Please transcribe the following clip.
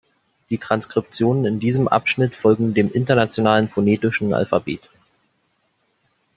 Die Transkriptionen in diesem Abschnitt folgen dem Internationalen Phonetischen Alphabet.